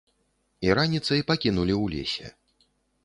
І раніцай пакінулі ў лесе.